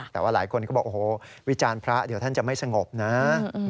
แต่ว่าหลายคนก็บอกโอ้โหวิจารณ์พระเดี๋ยวท่านจะไม่สงบนะ